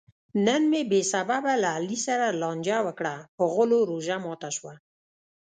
نن مې بې سببه له علي سره لانجه وکړه؛ په غولو روژه ماته شوه.